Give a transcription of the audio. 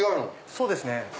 そうですね。